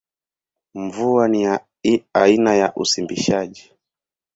Mvua ni aina ya usimbishaji.